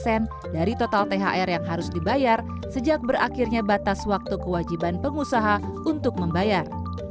ini adalah sebuah dendah thr yang harus dibayar sejak berakhirnya batas waktu kewajiban pengusaha untuk membayar